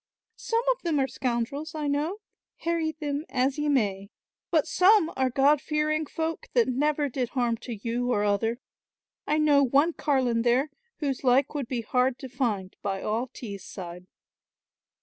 "Some of them are scoundrels, I know, harry them as ye may, but some are god fearing folk that never did harm to you or other. I know one carline there, whose like would be hard to find by all Tees side."